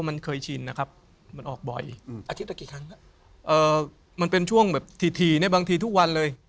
มันเป็นช่วงแบบทีบางทีทุกวันเลย